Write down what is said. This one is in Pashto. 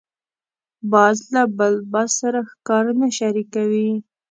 باز له بل باز سره ښکار نه شریکوي